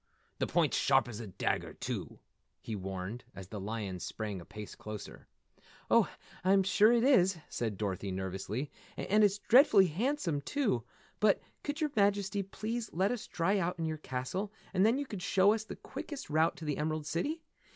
The point's sharp as a dagger, too," he warned, as the lion sprang a pace closer. "Oh, I'm sure it is," said Dorothy nervously. "And it's dreadfully handsome, too. But could your Majesty please let us dry out in your castle and then could you show us the quickest route to the Emerald City?